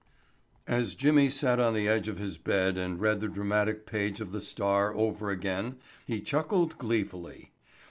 As Jimmy sat on the edge of his bed and read the dramatic page of the Star over again he chuckled gleefully.